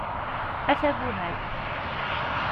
A tabuhalt!